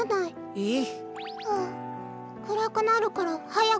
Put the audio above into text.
えっ！？